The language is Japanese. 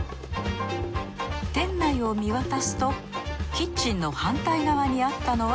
店内を見渡すとキッチンの反対側にあったのは。